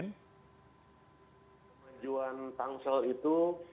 penjuan tangsel itu